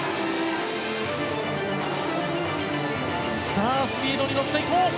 さあ、スピードに乗っていこう！